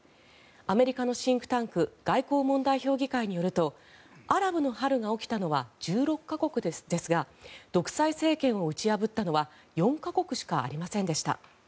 アメリカのシンクタンク外交問題評議会によるとアラブの春が起きたのは１６か国ですが独裁政権を打ち破ったのは４か国しかありませんでした。